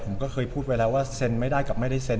ผมก็เคยพูดไปแล้วว่าเซ็นไม่ได้กับไม่ได้เซ็น